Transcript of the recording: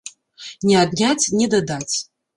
Не адняць, не дадаць.